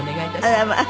あらまあ！